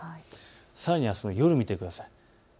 さらにあすの夜を見てください。